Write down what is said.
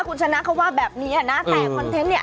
คุณชนะเขาว่าแบบนี้นะแต่คอนเทนต์เนี่ย